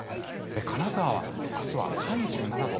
金沢は明日は３７度。